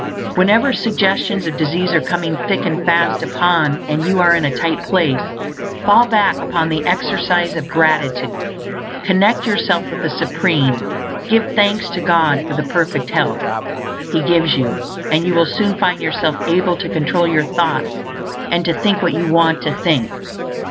Whenever suggestions of disease are coming thick and fast upon you, and you are in a "tight place," fall back upon the exercise of gratitude. Connect yourself with the Supreme; give thanks to God for the perfect health He gives you, and you will soon find yourself able to control your thoughts, and to think what you want to think.